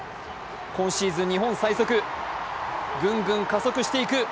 今シーズン日本最速、ぐんぐん加速していく。